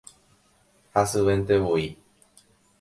Hasyventevoi